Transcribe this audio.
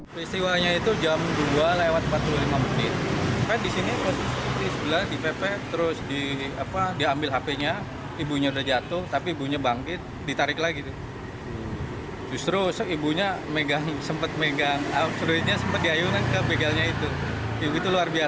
sebelumnya sempat diayunan ke begalnya itu itu luar biasa lah buat berhasil berani